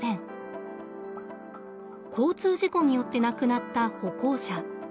交通事故によって亡くなった歩行者。